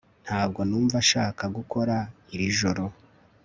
Ntabwo numva nshaka gukora iri joro